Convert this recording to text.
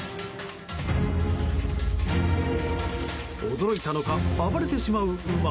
驚いたのか暴れてしまう馬。